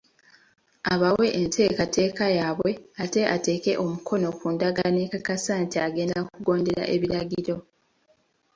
Abawe enteekateeka yaabwe ate ateeke omukono ku ndagaano ekakasa nti agenda kugondera ebiragiro.